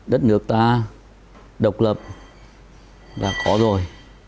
đất nước ta độc lập là có rồi